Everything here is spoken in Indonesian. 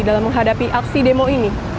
dalam menghadapi aksi demo ini